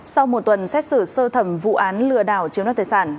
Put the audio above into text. sau một tuần xét xử sơ thẩm vụ nạn